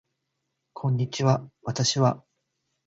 こんにちは私は